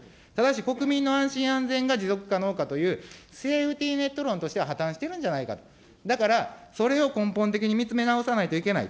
ただし国民の安心安全が持続可能かという、セーフティーネット論としては破綻しているんじゃないか、だからそれを根本に見つめ直さないといけない。